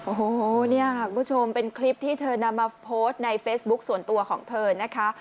โอ้โหเนี่ยคุณผู้ชมเป็นคลิปที่เธอนำมาโพสต์ในเฟซบุ๊คส่วนตัวของเธอนะคะ